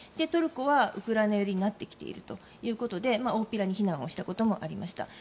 トルコはウクライナ寄りになってきているということで大っぴらに非難をしたこともありました。